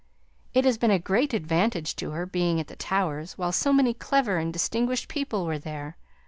It has been a great advantage to her being at the Towers while so many clever and distinguished people were there.